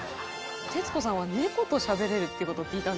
徹子さんは猫としゃべれるっていう事を聞いたんですけど。